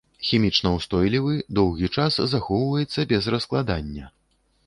Хімічна ўстойлівы, доўгі час захоўваецца без раскладання.